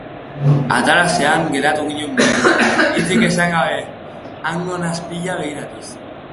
Atalasean geratu ginen biok, hitzik esan gabe, hango nahaspila begiratuz.